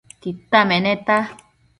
Tita meneta